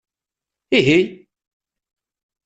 Ihi?